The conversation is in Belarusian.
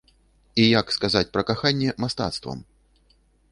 І як сказаць пра каханне мастацтвам?